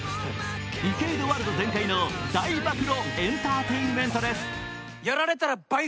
池井戸ワールド全開の大暴露エンターテインメントです。